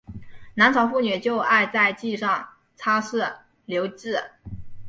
南朝妇女就爱在髻上插饰梳栉。